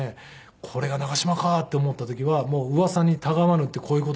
これが長嶋かって思った時はもううわさにたがわぬってこういう事だなっていう。